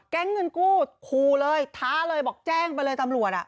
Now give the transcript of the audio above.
เงินกู้คู่เลยท้าเลยบอกแจ้งไปเลยตำรวจอ่ะ